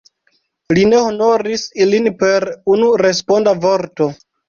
Li ne honoris ilin per unu responda vorto.